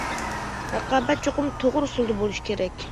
رىقابەت چوقۇم توغرا ئۇسۇلدا بولۇشى كېرەك.